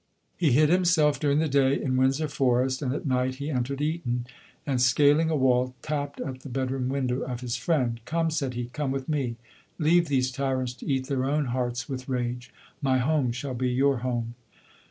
He hid himself during the day in Windsor 80 LODORE. Forest, and at night he entered Eton, and seal ing a wall, tapped at the bedroom window of his friend. " Come," said he, u come with me. Leave these tyrants to eat their own hearts with rage — my home shall be your home."